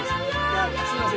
すみません